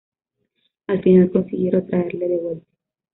Al final, consiguieron traerle de vuelta.